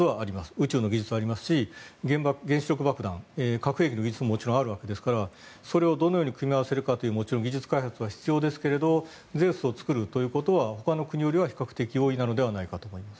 宇宙の技術はありますし原子力爆弾、核兵器の技術ももちろんあるわけですからそれをどのように組み合わせるかという技術開発は必要ですけれどゼウスを作るということはほかの国より比較的容易なのではないかと思います。